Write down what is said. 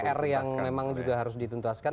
pr yang memang juga harus dituntaskan